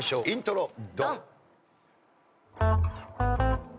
イントロ。